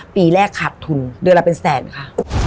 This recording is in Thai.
ปีแรกขาดทุนเดือนละเป็นแสนค่ะ